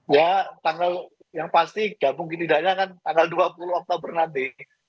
ya tanggal yang pasti gabung ini tidaknya kan tanggal dua puluh oktober nanti